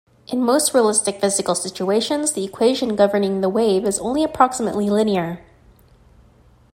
In most realistic physical situations, the equation governing the wave is only approximately linear.